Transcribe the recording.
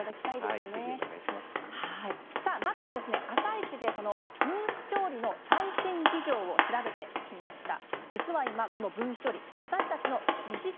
まずは「あさイチ」で分子調理の最新事情を調べてきました。